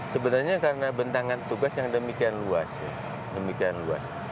sebenarnya karena bentangan tugas yang demikian luas